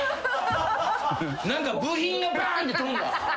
何か部品がバンって飛んだ。